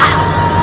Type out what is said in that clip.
jangan ganggu dia